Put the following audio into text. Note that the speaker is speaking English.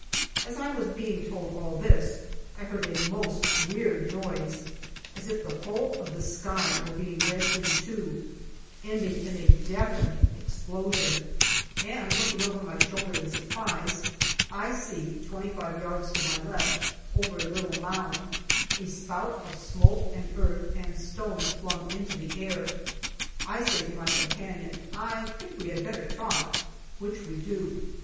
As I was being told all this I heard a most weird noise, as if the whole of the sky were being rent in two, ending in a deafening explosion, and looking over my shoulder in surprise, I see MAY 81 twenty five yards to my left, over a little mound, a spout of smoke and earth and stones flung into the air. I say to my companion, " I think we had better trot," which we do.